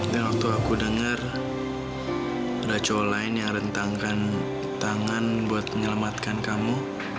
dan waktu aku dengar ada cowok lain yang rentangkan tangan buat menyelamatkan kamu